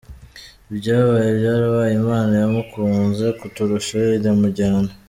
Ibyabaye byarabaye Imana yamukunze kuturusha iramujyana.